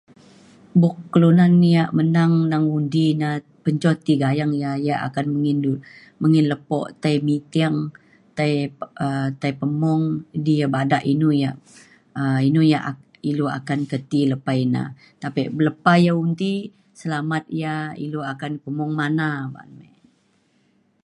buk kelunan yak menang neng undi na [unintelligible] ti gayeng ya ya akan nggin du- menggin lepo tai meeting tai um tai pemung idi ia’ bada inu yak um inu yak a- ilu akan ke ti lepa ina. tapek lepa ya undi selamat ia’ ilu akan pemung mana ba’an me.